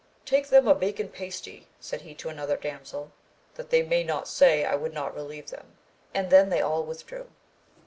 Take them a bacon pasty, said he to another damsel^ that they may not say I would not relieve them, and then they all withdrew.